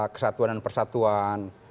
kesatuan dan persatuan